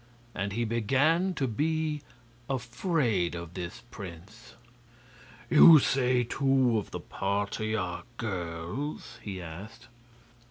And he began to be afraid of this prince. "You say two of the party are girls?" he asked.